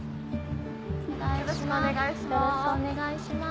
よろしくお願いします。